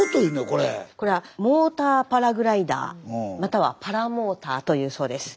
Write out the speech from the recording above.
これはモーターパラグライダーまたはパラモーターというそうです。